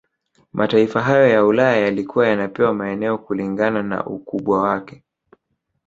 Mataifa hayo ya Ulaya yalikuwa yanapewa maeneo kilingana na ukubwamwake